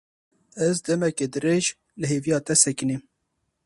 Ez demeke dirêj li hêviya te sekinîm.